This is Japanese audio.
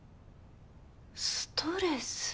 ストレス？